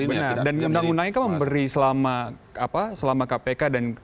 benar dan undang undangnya kan memberi selama kpk dan